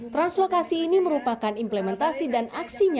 translokasi ini merupakan implementasi dan aksinya